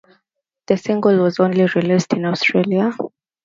The single was only released in Australia.